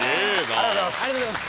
ありがとうございます。